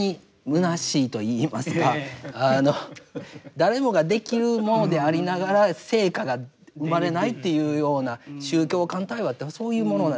誰もができるものでありながら成果が生まれないっていうような宗教間対話ってそういうものなんですよ。